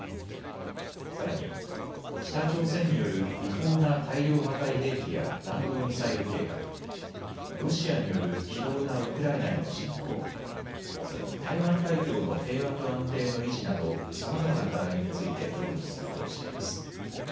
さらに北朝鮮による違法な大量破壊兵器や弾道ミサイル計画、ロシアによる非道なウクライナへの侵攻、それに台湾海峡の平和と安定の維持など、さまざまな課題について協議するとしています。